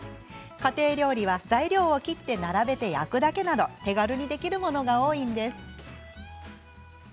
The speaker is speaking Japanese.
家庭料理は、材料を切って並べて焼くだけなど手軽にできるものが多いんです。